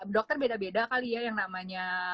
dokter beda beda kali ya yang namanya